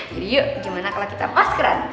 jadi yuk gimana kalau kita maskeran